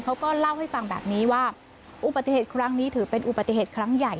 เขาก็เล่าให้ฟังแบบนี้ว่าอุบัติเหตุครั้งนี้ถือเป็นอุบัติเหตุครั้งใหญ่